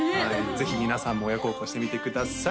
ぜひ皆さんも親孝行してみてください